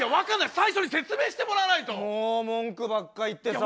最初に説明してもらわないと！も文句ばっか言ってさ。